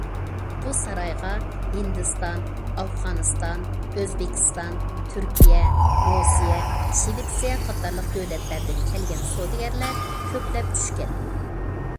بۇ سارايغا ھىندىستان، ئافغانىستان، ئۆزبېكىستان، تۈركىيە، رۇسىيە، شىۋېتسىيە قاتارلىق دۆلەتلەردىن كەلگەن سودىگەرلەر كۆپلەپ چۈشكەن.